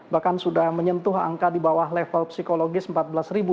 bahkan sudah menyentuh angka di bawah level psikologis empat belas ribu